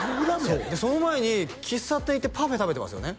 そうでその前に喫茶店行ってパフェ食べてますよね？